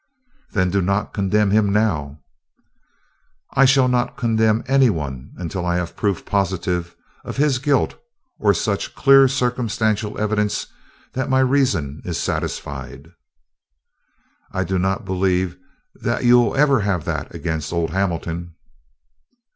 "Then do not condemn him now." "I shall not condemn any one until I have proof positive of his guilt or such clear circumstantial evidence that my reason is satisfied." "I do not believe that you will ever have that against old Hamilton."